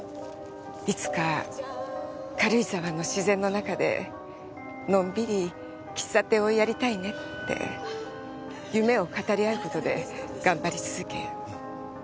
いつか軽井沢の自然の中でのんびり喫茶店をやりたいねって夢を語り合う事で頑張り続け